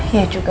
iya juga sih